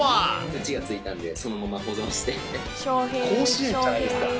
土がついたんで、そのまま保甲子園じゃないですか。